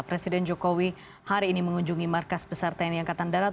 presiden jokowi hari ini mengunjungi markas besar tni angkatan darat